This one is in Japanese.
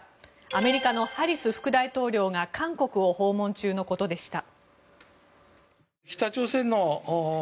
アメリカのハリス副大統領が韓国を訪問中のことでした。